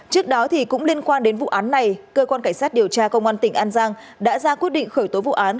trước đó cũng liên quan đến vụ án này cơ quan cảnh sát điều tra công an tỉnh an giang đã ra quyết định khởi tố vụ án